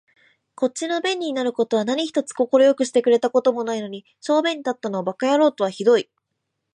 こっちの便利になる事は何一つ快くしてくれた事もないのに、小便に立ったのを馬鹿野郎とは酷い